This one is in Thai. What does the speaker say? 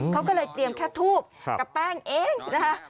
เขาก็เลยเตรียมแค่ทูบกับแป้งเองนะคะ